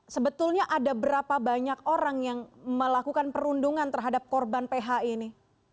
sebetulnya ada berapa banyak orang yang melakukan perundungan terhadap korban ph ini